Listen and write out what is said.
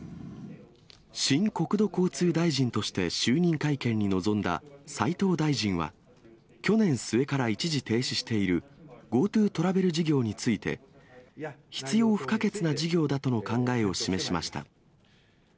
新国土交通大臣として就任会見に臨んだ斉藤大臣は、去年末から一時停止しているＧｏＴｏトラベル事業について、必要不可欠な事業だとの考えを示しました。